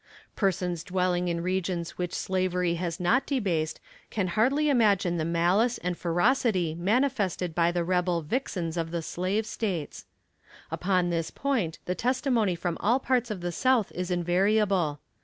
Persons dwelling in regions which slavery has not debased can hardly imagine the malice and ferocity manifested by the rebel vixens of the slave states. Upon this point the testimony from all parts of the South is invariable.